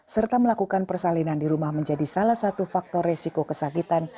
serta melakukan persalinan di rumah menjadi salah satu faktor resiko kesakitan